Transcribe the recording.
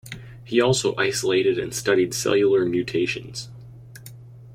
He also isolated and studied cellular mutations.